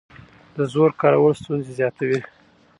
د زور کارول ستونزې زیاتوي